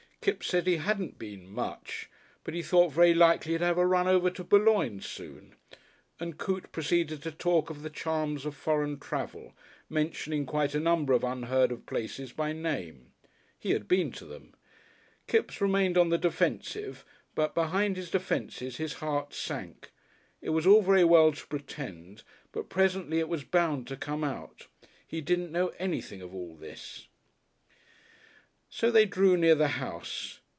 Kipps said he hadn't been "much," but he thought very likely he'd have a run over to Boulogne soon, and Coote proceeded to talk of the charms of foreign travel, mentioning quite a number of unheard of places by name. He had been to them! Kipps remained on the defensive, but behind his defences his heart sank. It was all very well to pretend, but presently it was bound to come out. He didn't know anything of all this.... So they drew near the house.